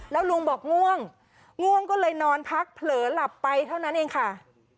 แล้วลุงบอกง่วงง่วงก็เลยนอนพักเผลอหลับไปเท่านั้นเองค่ะ